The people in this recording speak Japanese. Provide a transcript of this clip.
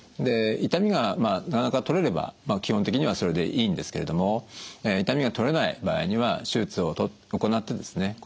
痛みが取れれば基本的にはそれでいいんですけれども痛みが取れない場合には手術を行ってですね